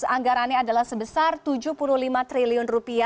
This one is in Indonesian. anggarannya adalah sebesar rp tujuh puluh lima triliun